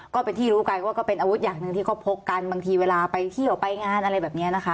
ก็เป็นที่รู้กันว่าก็เป็นอาวุธอย่างหนึ่งที่เขาพกกันบางทีเวลาไปเที่ยวไปงานอะไรแบบนี้นะคะ